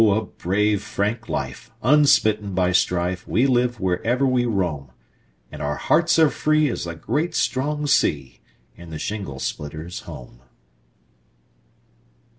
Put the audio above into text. a brave frank life, unsmitten by strife, We live wherever we roam, And our hearts are free as the great strong sea, In the shingle splitter's home.